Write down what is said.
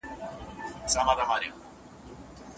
شاګرد کولای سي له استاد سره خپل مخالفت څرګند کړي.